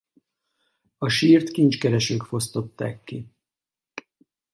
A sírt kincskeresők fosztották ki.